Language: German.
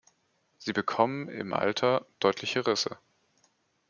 Sie bekommt im Alter deutliche Risse.